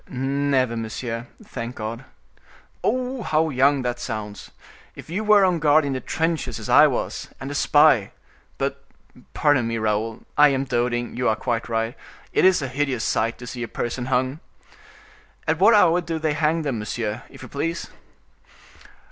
"Never, monsieur—thank God!" "Oh! how young that sounds! If you were on guard in the trenches, as I was, and a spy! But, pardon me, Raoul, I am doting—you are quite right, it is a hideous sight to see a person hung! At what hour do they hang them, monsieur, if you please?"